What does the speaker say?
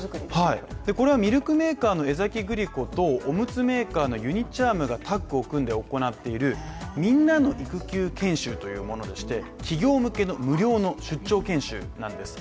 これはミルクメーカーの江崎グリコとおむつメーカーのユニ・チャームがタッグを組んで行っている「みんなの育休研修」というものでして、企業向けの無料の出張研修なんです。